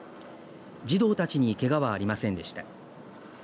児童たちにけがはありませんでした。